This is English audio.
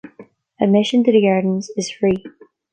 Admission to the gardens is free.